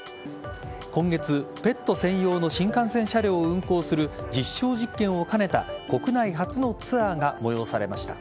今月、ペット専用の新幹線車両を運行する実証実験を兼ねた国内初のツアーが催されました。